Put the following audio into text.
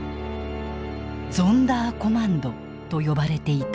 ゾンダーコマンドと呼ばれていた。